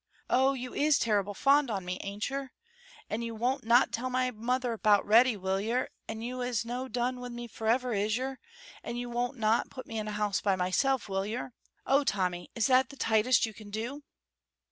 Oh, you is terrible fond on me, ain't yer? And you won't not tell my mother 'bout Reddy, will yer, and you is no done wi' me forever, is yer? and you won't not put me in a house by myself, will yer? Oh, Tommy, is that the tightest you can do?"